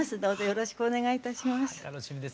よろしくお願いします。